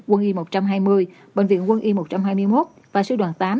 quân y một trăm hai mươi bệnh viện quân y một trăm hai mươi một và sư đoàn tám